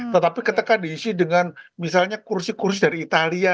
tetapi ketika diisi dengan misalnya kursi kursi dari italia